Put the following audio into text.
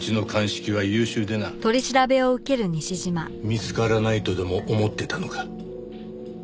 見つからないとでも思ってたのか？